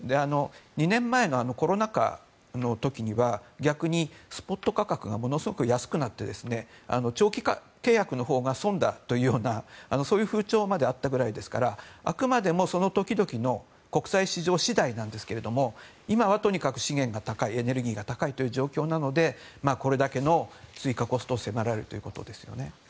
２年前のコロナ禍の時には逆にスポット価格がものすごく安くなって長期契約のほうが損だという風潮まであったぐらいですからあくまでもその時々の国際市場次第ですが今はとにかく資源が高いエネルギーが高いという状況なのでこれだけの追加コストを迫られるということですね。